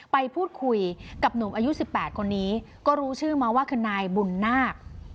ไปพูดคุยกับหนุ่มอายุ๑๘คนนี้ก็รู้ชื่อมาว่าคือนายบุญนาค